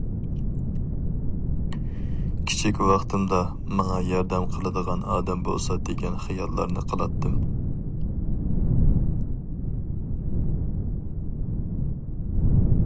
كىچىك ۋاقتىمدا ماڭا ياردەم قىلىدىغان ئادەم بولسا دېگەن خىياللارنى قىلاتتىم.